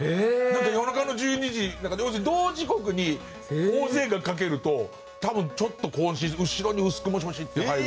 夜中の１２時要するに同時刻に大勢がかけると多分ちょっと混線後ろに薄く「もしもし」って入る。